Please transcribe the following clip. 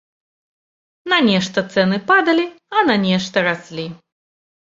На нешта цэны падалі, а на нешта раслі.